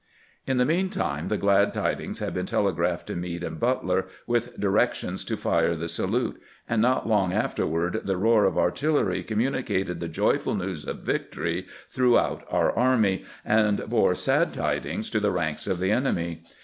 In the mean time the glad tidings had been telegraphed to Meade and Butler, with directions to fire the salute, and not long afterward the roar of artillery communi 286 CAMPAIGNING WlTfl GRANT cated the joyful news of victory throughout our army, and bore sad tidings to the ranks of the enemy.